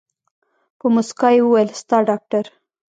په موسکا يې وويل ستا ډاکتر.